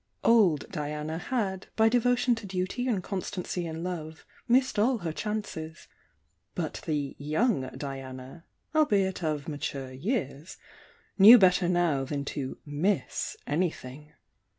"Old" Diana had, by devotion to duty and constancy in love, missed all her chances,— but the "young" Diana, albeit "of mature years," knew better now than to "miss" anything.